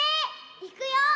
いくよ。